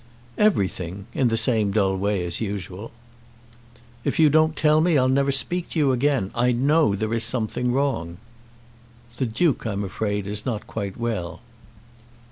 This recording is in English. "Everything, in the same dull way as usual." "If you don't tell me, I'll never speak to you again. I know there is something wrong." "The Duke, I'm afraid, is not quite well."